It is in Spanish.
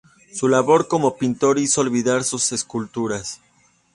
Su labor como pintor hizo olvidar sus esculturas.